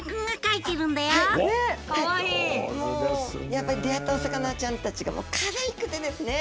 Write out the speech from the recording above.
やっぱり出会ったお魚ちゃんたちがもうかわいくてですね。